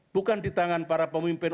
bukan di tangan para pemimpin